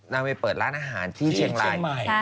น้ำมะแยไปเปิดร้านอาหารที่เชียงไม่